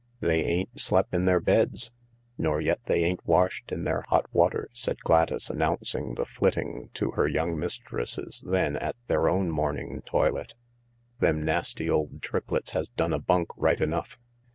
" They ain't slep' in their beds, nor yet they ain't washed THE LARK 201 in their hot water," said Gladys, announcing the flitting to her young mistresses then at their own morning toilet ." Them nasty old triplets has done a bunk right enough.